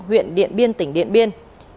huyện điện biên tỉnh điện biên